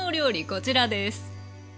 こちらです。